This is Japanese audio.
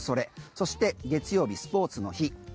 そして、月曜日、スポーツの日。